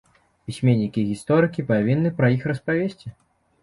Пісьменнікі і гісторыкі павінны пра іх распавесці.